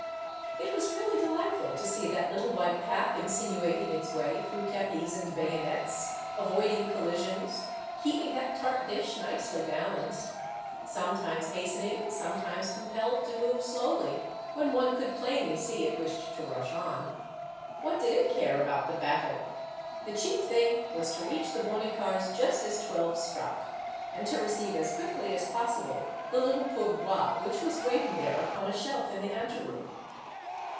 It was really delightful to see that little white cap insinuating its way through kepis and bayonets, avoiding collisions, keeping that tart dish nicely balanced, sometimes hastening, sometimes com pelled to move slowly, when one could plainly see it wished to rush on. What did it care about the battle ? The chief thing was to reach the Bon nicars' just as twelve struck, and to receive as quickly as possible the little poiirboire which was waiting there upon a shelf in the anteroom.